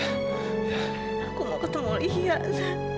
aku mau ketemu lian